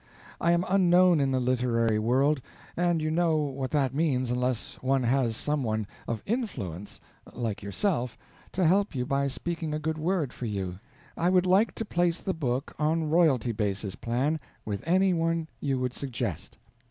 I am unknown in the literary world and you know what that means unless one has some one of influence (like yourself) to help you by speaking a good word for you. I would like to place the book on royalty basis plan with any one you would suggest.